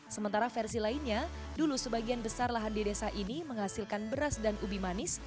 sementara versi lainnya dulu sebagian besar lahan di desa ini menghasilkan beras dan ubi manis